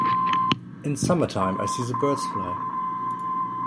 In summertime I see the birds fly.